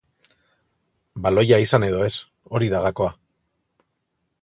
Baloia izan edo ez, hori da gakoa.